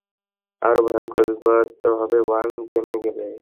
আরো ভয়ঙ্কর বিপদ হবে ওয়াং জেনে গেলে।